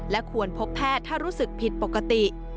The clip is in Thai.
และควรพบแพทย์ถ้ารู้สึกผิดปกติ